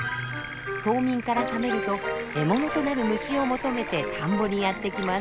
冬眠から覚めると獲物となる虫を求めて田んぼにやってきます。